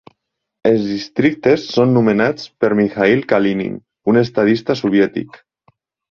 Els districtes són nomenats per Mikhail Kalinin, un estadista soviètic.